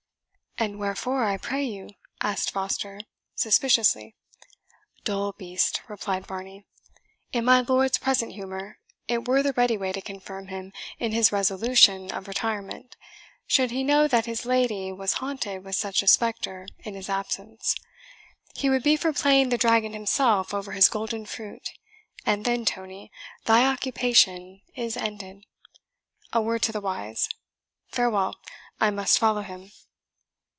"And wherefore, I pray you?" asked Foster, suspiciously. "Dull beast!" replied Varney. "In my lord's present humour it were the ready way to confirm him in his resolution of retirement, should he know that his lady was haunted with such a spectre in his absence. He would be for playing the dragon himself over his golden fruit, and then, Tony, thy occupation is ended. A word to the wise. Farewell! I must follow him."